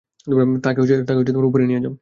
তাকে উপরে নিয়ে যাও।